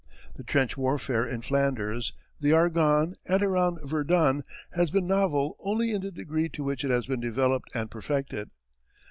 The trench warfare in Flanders, the Argonne, and around Verdun has been novel only in the degree to which it has been developed and perfected.